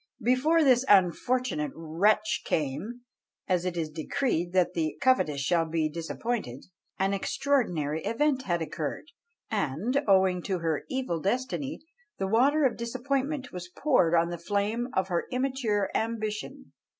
Before this unfortunate wretch came, as it is decreed that the covetous shall be disappointed, an extraordinary event had occurred, and, owing to her evil destiny, the water of disappointment was poured on the flame of her immature ambition.